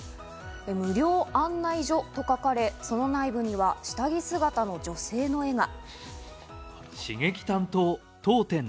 無料案内所と書かれ、その内部には下着姿の女性の絵が。